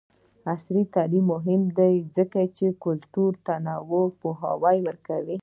عصري تعلیم مهم دی ځکه چې د کلتوري تنوع پوهاوی ورکوي.